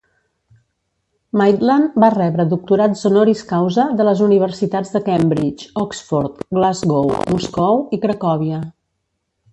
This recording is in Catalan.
Maitland va rebre doctorats honoris causa de les universitats de Cambridge, Oxford, Glasgow, Moscou i Cracòvia.